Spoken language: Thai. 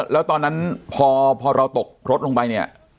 แล้วตอนนั้นพอเราตกรถลงไปเนี่ย